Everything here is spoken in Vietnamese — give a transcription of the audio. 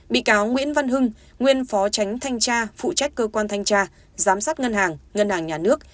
bị cáo nguyễn văn hưng nguyên phó tránh thanh tra phụ trách cơ quan thanh tra giám sát ngân hàng ngân hàng nhà nước